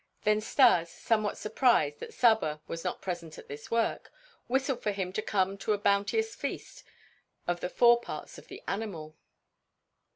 Then Stas, somewhat surprised that Saba was not present at this work, whistled for him to come to a bounteous feast of the fore parts of the animal.